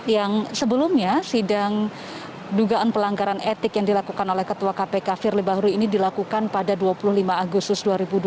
yang sebelumnya sidang dugaan pelanggaran etik yang dilakukan oleh ketua kpk firly bahuri ini dilakukan pada dua puluh lima agustus dua ribu dua puluh